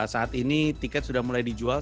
saat ini tiket sudah mulai dijual